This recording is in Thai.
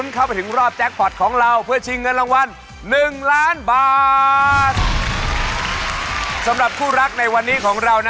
ขอต้อนรับก็สู่รายการที่หวานที่สุดในโลกนะครับ